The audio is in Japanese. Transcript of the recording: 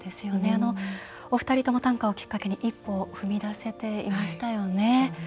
お二人とも短歌をきっかけに一歩を踏み出せていましたよね。